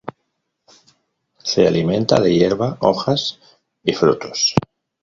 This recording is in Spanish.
Se alimenta de hierba, hojas y frutos.